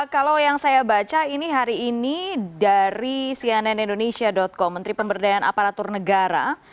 kalau yang saya baca ini hari ini dari cnn indonesia com menteri pemberdayaan aparatur negara